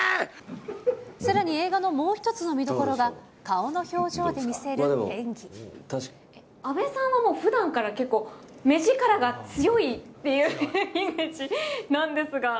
さらに映画のもう一つの見ど阿部さんはもうふだんから結構、目力が強いっていうイメージなんですが。